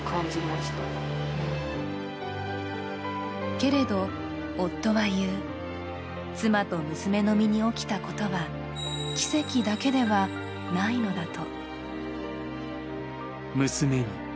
けれど夫は言う、妻と娘の身に起きたことは奇跡だけではないのだと。